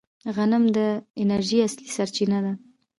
غنم د انرژۍ اصلي سرچینه ده.